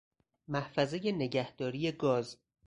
محفظه نگهداری گاز